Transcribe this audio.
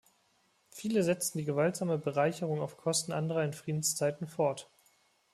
Viele setzten die gewaltsame Bereicherung auf Kosten anderer in Friedenszeiten fort.